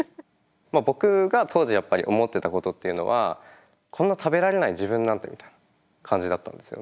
僕が当時やっぱり思ってたことっていうのはこんな食べられない自分なんてみたいな感じだったんですよね。